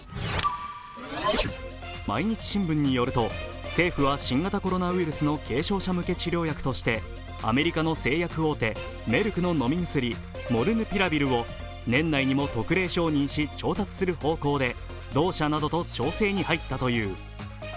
毎日新聞によると政府は新型コロナウイルスの軽症者向けの治療薬としてアメリカの製薬大手メルクの飲み薬、モルヌピラビルを年内にも特例承認し調達する方向で同社などと調整に入ったという。